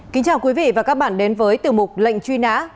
kính chào quý vị và các bạn đến với tiểu mục lệnh truy nã